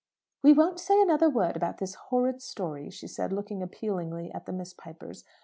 "We won't say another word about this horrid story," she said, looking appealingly at the Miss Pipers.